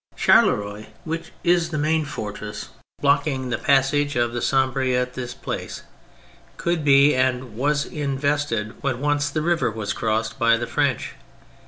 Charleroi, which is the main fortress block THE MILITARY ASPECT 211 ing the passage of the Sambre at this place, could be, and was, invested when once the river was crossed by the French.